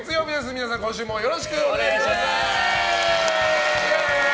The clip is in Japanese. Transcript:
皆さん、今週もよろしくお願いいたします。